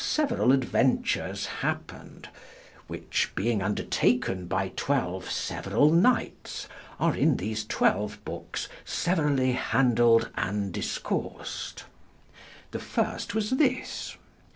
several adventures hapned, which being undertaken by xii. severall knights, are in these xii. books severally handled and discoursed. The first was this.